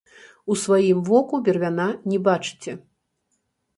У сваім воку бервяна не бачыце!